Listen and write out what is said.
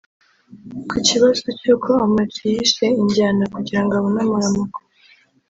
Ku kibazo cy’uko ngo Ama G yishe injyana kugira ngo abone amaramuko